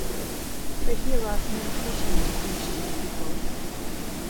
For he lost no occasion to preach to the people.